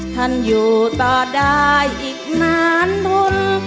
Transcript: ท่านอยู่ต่อได้อีกนานทน